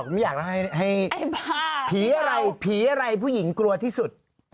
ภีร์อะไรที่เผาภีร์อะไรผู้หญิงกลัวที่สุด